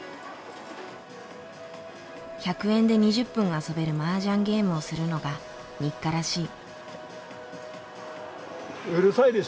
１００円で２０分遊べるマージャンゲームをするのが日課らしい。